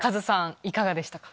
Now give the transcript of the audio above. いかがでしたか？